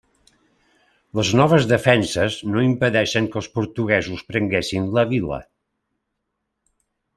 Les noves defenses no impedeixen que els portuguesos prenguessin la vila.